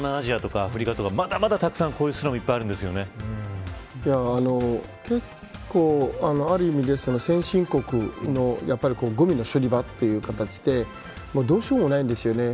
忘れちゃいけないのが東南アジアとかアフリカとかまだまだこういうスラム街結構、ある意味で先進国のごみの処理場という形でどうしようもないんですよね。